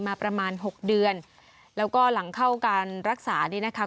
มาประมาณหกเดือนแล้วก็หลังเข้าการรักษานี่นะคะ